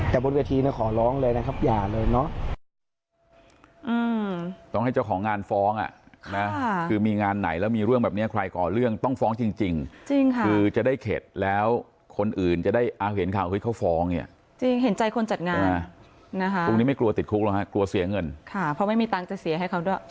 แต่บนเวทีนะขอร้องเลยนะครับอย่าเลยเนาะ